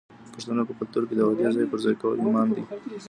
د پښتنو په کلتور کې د وعدې ځای پر ځای کول ایمان دی.